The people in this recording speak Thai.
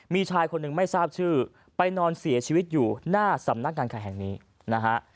มีชายคนหนึ่งไม่ทราบชื่อไปนอนเสียชีวิตอยู่หน้าสำนักงานขายแห่งนี้นะฮะ